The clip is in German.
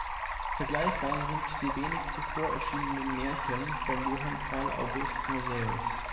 Vergleichbar sind die wenig zuvor erschienenen "Märchen" von Johann Karl August Musäus.